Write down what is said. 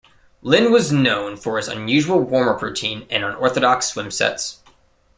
Linn was known for his unusual warm-up routine and unorthodox swim sets.